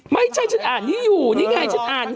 ไม่ใช่ฉันอ่านนี่อยู่นี่ไงฉันอ่านอยู่